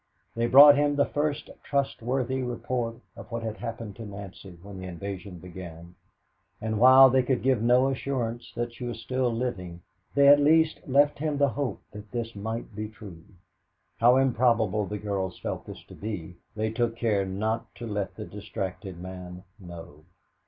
They brought him the first trustworthy report of what had happened to Nancy when the invasion began, and while they could give no assurance that she was still living they at least left him the hope that this might be true. How improbable the girls felt this to be, they took care not to let the distracted man know.